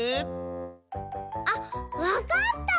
あっわかった！